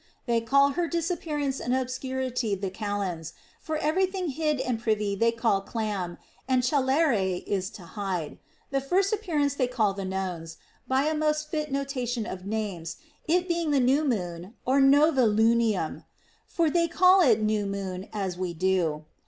They call her disappearance and obscurity the Kalends, for every thing hid and privy they call clam, and celare is to hide. The first appearance they call the Nones, by a most fit no tation of names, it being the new moon (novilunium) ; for they call it new moon as we do.